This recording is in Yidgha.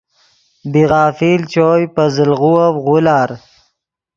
بی غافل چوئے پے زل غووف غولار